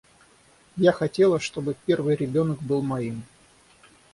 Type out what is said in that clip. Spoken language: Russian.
Я хотела, чтобы первый ребенок был моим.